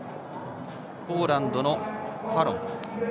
ポーランドのファロン。